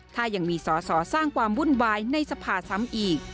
ถ้ายังมีสอสอสร้างความวุ่นวายในสภาซ้ำอีก